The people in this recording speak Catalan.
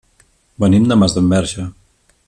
Venim de Masdenverge.